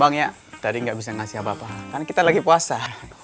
bang ya tadi nggak bisa ngasih apa apa kan kita lagi puasa